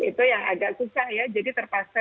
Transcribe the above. itu yang agak susah ya jadi terpaksa